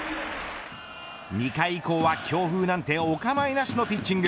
２回以降は強風なんてお構いなしのピッチング。